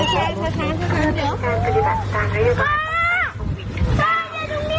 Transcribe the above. โปรดติดตามตอนต่อไป